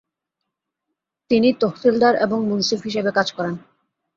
তিনি তহসিলদার এবং মুন্সিফ হিসেবে কাজ করেন।